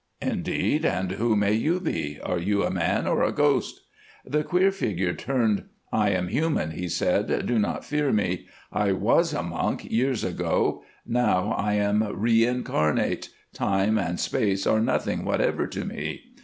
"'Indeed, and who may you be? Are you a man or a ghost?' "The queer figure turned. 'I am human,' he said, 'do not fear me. I was a monk years ago, now I am reincarnate—time and space are nothing whatever to me.